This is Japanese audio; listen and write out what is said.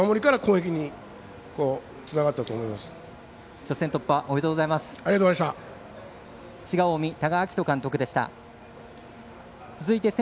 初戦突破おめでとうございます。